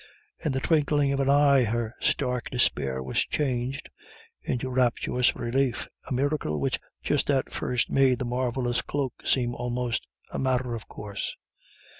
In the twinkling of an eye her stark despair was changed into rapturous relief, a miracle which just at first made the marvellous cloak seem almost a matter of course.